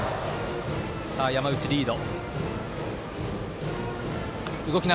山内、リード。